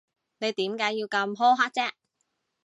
你點解要咁苛刻啫？